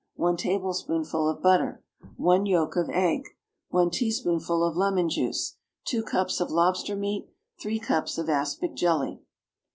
1 tablespoonful of butter. 1 yolk of egg. 1 teaspoonful of lemon juice. 2 cups of lobster meat. 3 cups of aspic jelly.